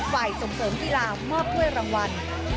ฝ่ายส่งเสริมธีลามอบเพื่อรางวัล